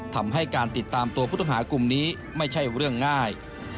ทำให้การติดตามตัวผู้ต้องหากลุ่มนี้ไม่ใช่เรื่องง่าย